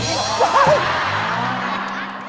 มืยยยเลย